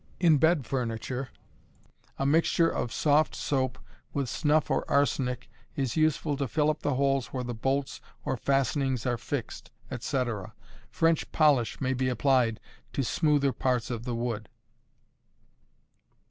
In bed furniture, a mixture of soft soap, with snuff or arsenic, is useful to fill up the holes where the bolts or fastenings are fixed, etc. French polish may be applied to smoother parts of the wood.